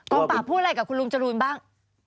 ป่าพูดอะไรกับคุณลุงจรูนบ้าง